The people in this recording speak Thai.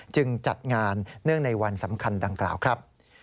จัดงานเนื่องในวันสำคัญดังกล่าวครับ